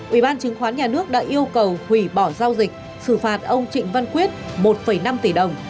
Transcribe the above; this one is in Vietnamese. ubnd đã yêu cầu hủy bỏ giao dịch xử phạt ông trịnh văn quyết một năm tỷ đồng